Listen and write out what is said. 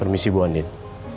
permisi bu andin